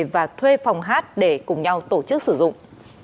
và thuê phòng hát để cùng nhau tổ chức sử dụng